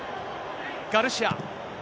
ガルシア。